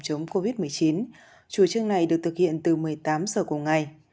chống covid một mươi chín chủ trương này được thực hiện từ một mươi tám giờ cùng ngày